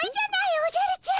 おじゃるちゃん。